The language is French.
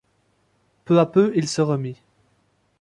Peu à peu il se remit.